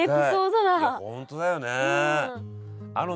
いや本当だよね。